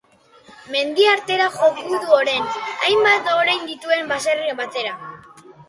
Mendi aldera joko du ondoren, hainbat orein dituen baserri batera.